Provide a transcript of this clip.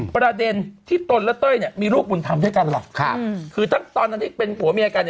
ประเด็นที่ตนและเต้ยมีลูกบุญธรรมด้วยกันล่ะคือทั้งตอนนั้นที่เป็นผัวเมียกัน